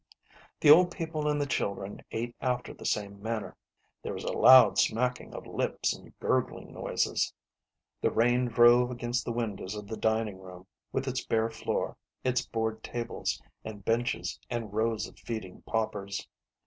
The old people and the children ate after the same man ner. There was a loud smacking of lips and gurgling noises. The rain drove against the windows of the dining room, with its bare floor, its board tables and benches, and rows of feeding paupers.